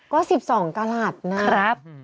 ก็๑๒กราศค์น่ะครับ